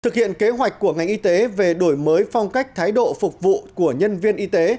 thực hiện kế hoạch của ngành y tế về đổi mới phong cách thái độ phục vụ của nhân viên y tế